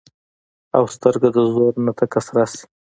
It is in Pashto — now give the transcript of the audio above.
او سترګه د زور نه تکه سره شي